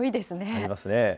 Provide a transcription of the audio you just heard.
ありますね。